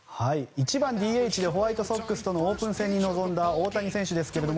１番指名打者でホワイトソックスのオープン戦に臨んだ大谷選手